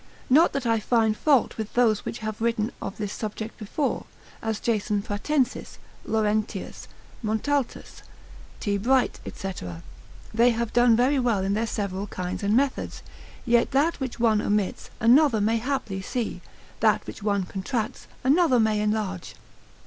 Not that I find fault with those which have written of this subject before, as Jason Pratensis, Laurentius, Montaltus, T. Bright, &c., they have done very well in their several kinds and methods; yet that which one omits, another may haply see; that which one contracts, another may enlarge.